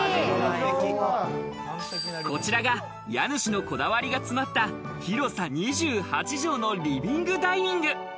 こちらが家主のこだわりが詰まった広さ２８畳のリビングダイニング。